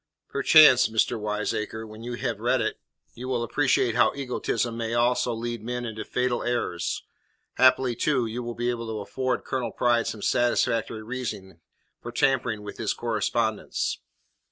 "Perchance, master wiseacres, when you have read it, you will appreciate how egotism may also lead men into fatal errors. Haply, too, you will be able to afford Colonel Pride some satisfactory reason for tampering with his correspondence."